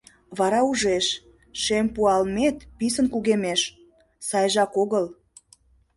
Вара ужеш: шем пуалмет писын кугемеш, сайжак огыл.